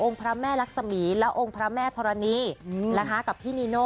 องค์พระแม่รักษมีย์และองค์พระแม่ธรณีย์แล้วกับพี่นิโน่